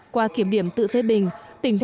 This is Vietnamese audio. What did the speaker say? qua kiểm điểm tự phê bình